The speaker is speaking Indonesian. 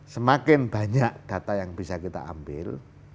semakin banyak data yang bisa kita ambil